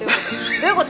どういう事？